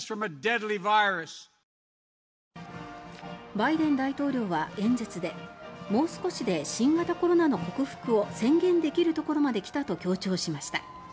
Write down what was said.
バイデン大統領は演説でもう少しで新型コロナの克服を宣言できるところまで来たと強調しました。